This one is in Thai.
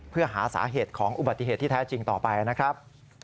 เพื่อหาสาเหตุของอุบัติเหตุที่แท้จริงต่อไปนะครับ